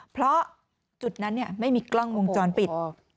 เพราะจุดนั้นไม่มีกล้องวงจรปิด